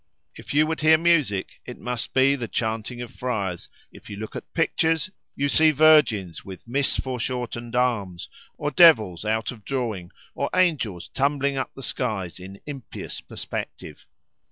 If you would hear music, it must be the chanting of friars; if you look at pictures, you see virgins with mis fore shortened arms, or devils out of drawing, or angels tumbling up the skies in impious perspective.